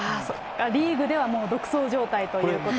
リーグではもう独走状態ということで。